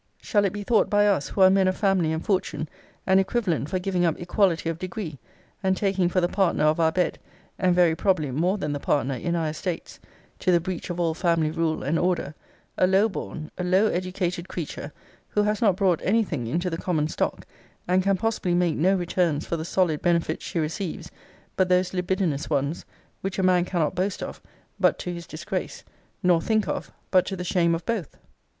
Shall it be thought by us, who are men of family and fortune, an equivalent for giving up equality of degree; and taking for the partner of our bed, and very probably more than the partner in our estates, (to the breach of all family rule and order,) a low born, a low educated creature, who has not brought any thing into the common stock; and can possibly make no returns for the solid benefits she receives, but those libidinous ones, which a man cannot boast of, but to his disgrace, nor think of, but to the shame of both?